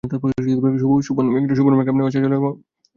শুভর মেকআপ নেওয়া শেষ হলেও মাহির মেকআপ চটজলদি শেষ হচ্ছে না।